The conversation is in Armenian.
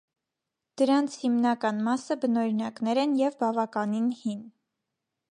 Դրանց հիմնական մասը բնօրինակներ են և բավականին հին։